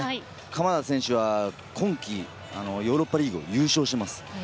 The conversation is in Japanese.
鎌田選手は今季、ヨーロッパリーグで優勝しています。